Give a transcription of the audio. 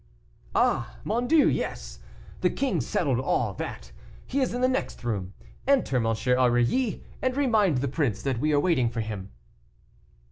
"Oh! mon Dieu; yes. The king settled all that. He is in the next room. Enter, M. Aurilly, and remind the prince that we are waiting for him."